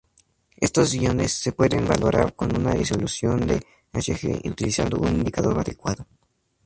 Estos iones se pueden valorar con una disolución de Hg utilizando un indicador adecuado.